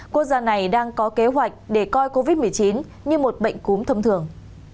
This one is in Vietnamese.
quốc gia này đang có kế hoạch để coi covid một mươi chín như một bệnh cúm thông thường